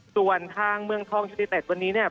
ส่วนทางเมืองทองยูนิเต็ดวันนี้เนี่ย